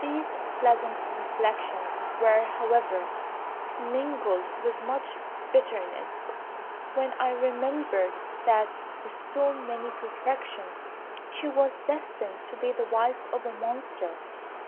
These pleasant reflections were, however, mingled with much bitterness, when I remembered that, with so many perfections, she was destined to be the wife of a monster.